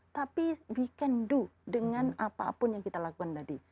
tapi we can do dengan apapun yang kita lakukan tadi